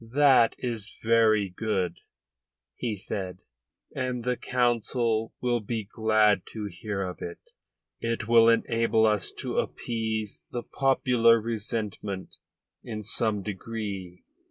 "That is very good," he said, "and the Council will be glad to hear of it. It will enable us to appease the popular resentment in some degree.